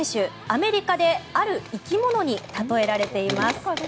アメリカである生き物に例えられています。